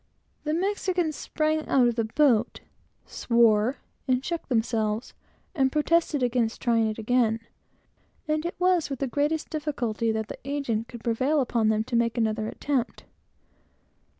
The Spaniards sprang out of the boat, swore, and shook themselves and protested against trying it again; and it was with the greatest difficulty that the agent could prevail upon them to make another attempt.